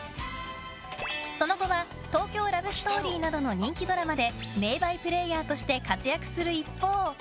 その後は「東京ラブストーリー」などの人気ドラマで名バイプレーヤーとして活躍する一方